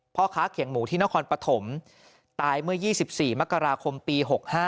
พ่อค้าเขียงหมูที่นครปฐมตายเมื่อ๒๔มกราคมปี๖๕